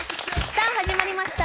さあ始まりました